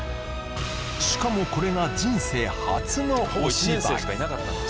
しかもこれが人生初のお芝居